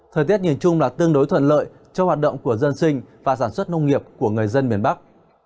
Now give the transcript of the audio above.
thời tiết nhìn chung là tương đối thuận lợi cho hoạt động của dân sinh và sản xuất nông nghiệp của người dân miền bắc